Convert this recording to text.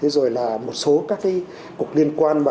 rồi là một số các cục liên quan